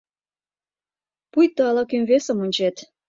Пуйто ала-кӧм весым ончет.